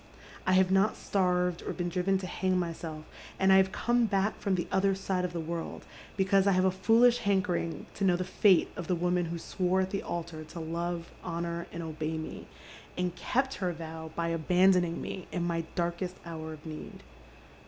I have not stai'ved or been driven to hang myself, and I have come back from the other side of the world because I have a foolish hankering to know the fate of the woman who swore at the altar to love, honour, and obey me, and kept her vow by abandoning me in my darkest hour of need.